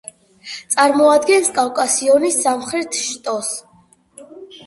წარმოადგენს კავკასიონის სამხრეთ შტოს.